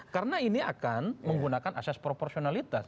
karena ini akan menggunakan asas proporsionalitas